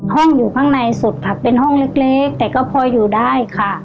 ห้องอยู่ข้างในสุดค่ะเป็นห้องเล็กแต่ก็พออยู่ได้ค่ะ